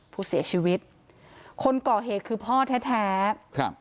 ผู้เสียชีวิตคนก่อเหตุคือพ่อแท้แท้ครับ